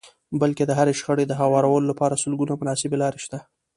بلکې د هرې شخړې د هوارولو لپاره سلګونه مناسبې لارې شته.